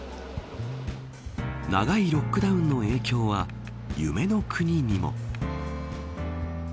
長いロックダウンの影響は夢の国にも。